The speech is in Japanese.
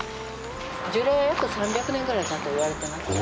樹齢約３００年ぐらいだといわれてます。